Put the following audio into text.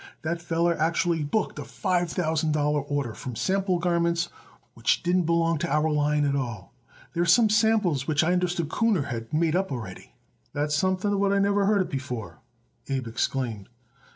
That feller actually booked a five thousand dollar order from sample garments which didn't belong to our line at all. They're some samples which I understand Kuhner had made up already." "That's something what I never heard it before," Abe exclaimed.